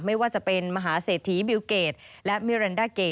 ไม่ว่าจะเป็นมหาเศรษฐีบิลเกดและมิรันดาเก